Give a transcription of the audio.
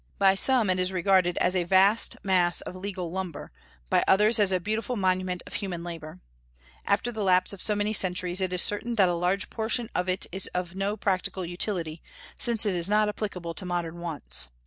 By some it is regarded as a vast mass of legal lumber; by others, as a beautiful monument of human labor. After the lapse of so many centuries it is certain that a large portion of it is of no practical utility, since it is not applicable to modern wants.